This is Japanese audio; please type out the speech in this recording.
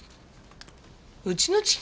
うちの父？